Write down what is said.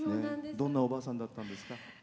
どんなおばあさんだったんですか。